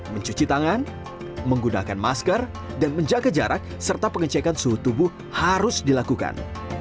mencuci tangan menggunakan masker dan menjaga jarak serta pengecekan suhu tubuh harus dilakukan